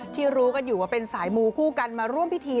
รู้กันอยู่ว่าเป็นสายมูคู่กันมาร่วมพิธี